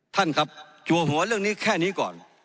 ท่านครับจัวหัวเรื่องนี้แค่นี้ก่อน